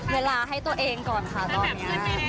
เวลาให้ตัวเองก่อนค่ะตอนนี้